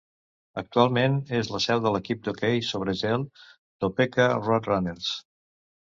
Actualment, és la seu de l'equip d'hoquei sobre gel Topeka Roadrunners.